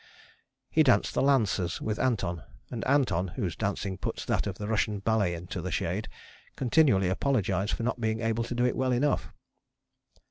He danced the Lancers with Anton, and Anton, whose dancing puts that of the Russian Ballet into the shade, continually apologized for not being able to do it well enough.